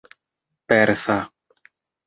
persa